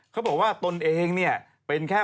เขาบอกว่าตนเองเนี่ยเป็นแค่